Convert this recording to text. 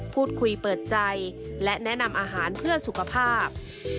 พูดคุยเปิดใจและแนะนำอาหารเพื่อสุขภาพ